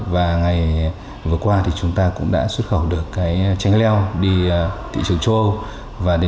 và ngày vừa qua thì chúng ta cũng đã xuất khẩu được cái tranh leo đi thị trường châu âu